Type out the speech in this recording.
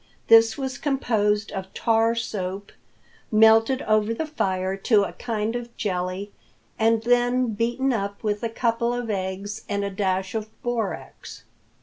This was composed of tar soap, melted over the fire to a kind of jelly, and then beaten up with a couple of eggs and a dash of borax.